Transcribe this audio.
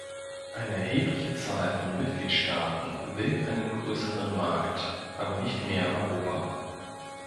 Eine erhebliche Zahl von Mitgliedstaaten will einen größeren Markt, aber nicht mehr Europa.